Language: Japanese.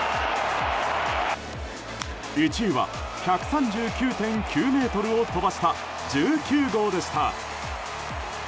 １位は１３９．９ｍを飛ばした１９号でした。